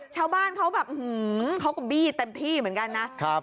ชาวบ้านเขาแบบอื้อหือเขาก็บีดเต็มที่เหมือนกันนะครับ